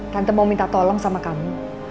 tante mau minta tolong sama kami